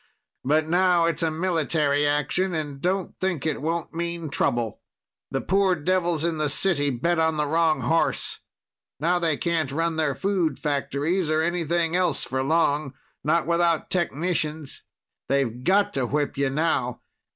But now it's a military action, and don't think it won't mean trouble. The poor devils in the city bet on the wrong horse. Now they can't run their food factories or anything else for long. Not without technicians. They've got to whip you now.